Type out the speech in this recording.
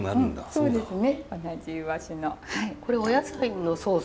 そうですね。